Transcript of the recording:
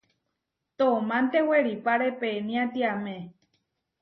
Toománte weripáre peniátiame.